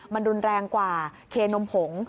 มันรุนแรงกว่าเคนมผง